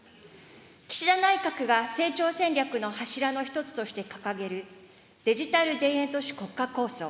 岸田内閣が成長戦略の柱の一つとして掲げるデジタル田園都市効果構想。